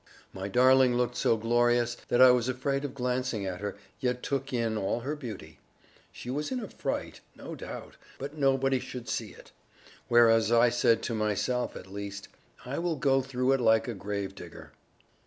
My darling looked so glorious that I was afraid of glancing at her, yet took in all her beauty. She was in a fright, no doubt, but nobody should see it; whereas I said (to myself, at least), "I will go through it like a grave digger."